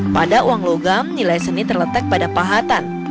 pada uang logam nilai seni terletak pada pahatan